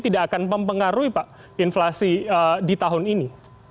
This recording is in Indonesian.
tidak akan mempengaruhi pak inflasi di tahun ini